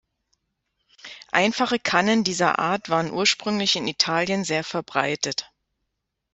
Einfache Kannen dieser Art waren ursprünglich in Italien sehr verbreitet.